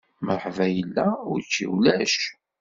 Mṛeḥba yella, učči ulac.